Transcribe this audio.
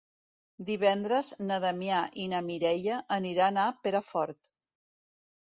Divendres na Damià i na Mireia aniran a Perafort.